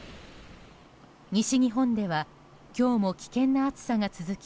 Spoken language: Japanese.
西日本では今日も危険な暑さが続き